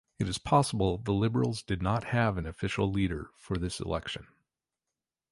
It is possible the Liberals did not have an official leader for this election.